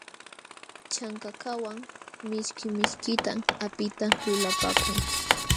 Chankakawan mishki mishkitam apita lulapaakun.